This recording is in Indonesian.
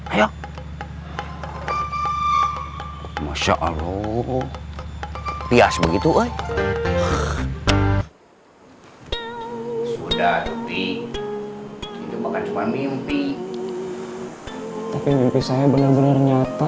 ayo masya allah pias begitu eh sudah tapi ini bukan cuma mimpi tapi mimpi saya benar benar nyata